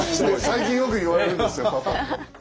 最近よく言われるんですよパパって。